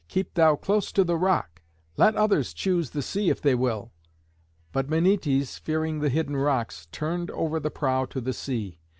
Keep thou close to the rock. Let others choose the sea if they will." But Menœtes, fearing the hidden rocks, turned ever the prow to the sea.